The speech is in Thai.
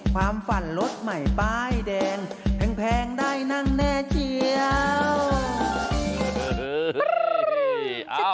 ความฝันรถใหม่ป้ายแดงแพงได้นั่งแน่เจียว